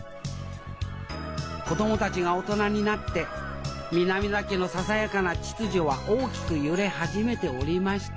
子供たちが大人になって南田家のささやかな秩序は大きく揺れ始めておりました